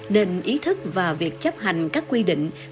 nên ý thức và việc chấp hành các quy định về quản lý khai thác